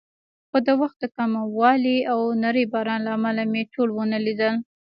خو د وخت د کموالي او نري باران له امله مې ټول ونه لیدل.